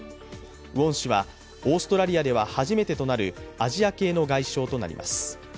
ウォン氏はオーストラリアでは初めてとなるアジア系の外相となります。